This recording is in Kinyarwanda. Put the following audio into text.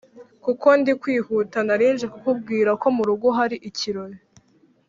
kuko ndikwihuta narinje kukubwira ko murugo harikirori